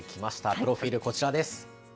プロフィールこちらです。